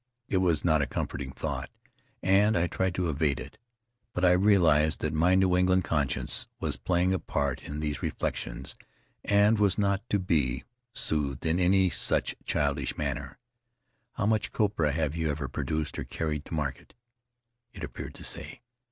It was not a comforting thought, and I tried to evade it; but I realized that my New England conscience was playing a part in these reflections and was not to be Rutiaro soothed in any such childish manner. "How much copra have you ever produced or carried to market?' it appeared to say.